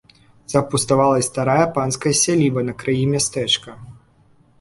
Запуставала і старая панская сяліба на краі мястэчка.